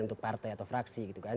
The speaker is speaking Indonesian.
untuk partai atau fraksi gitu kan